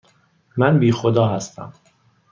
من بی خدا هستم.